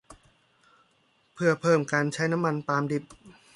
เพื่อเพิ่มการใช้น้ำมันปาล์มดิบ